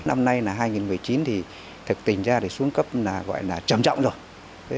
năm nay là hai nghìn một mươi chín thì thực tình ra xuống cấp gọi là trầm trọng rồi